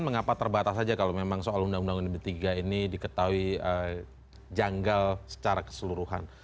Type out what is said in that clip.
mengapa terbatas saja kalau memang soal undang undang ini ketahui janggal secara keseluruhan